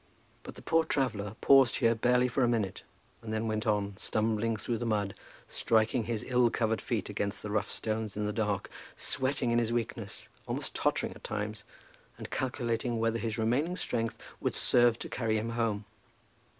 But the poor traveller paused here barely for a minute, and then went on, stumbling through the mud, striking his ill covered feet against the rough stones in the dark, sweating in his weakness, almost tottering at times, and calculating whether his remaining strength would serve to carry him home.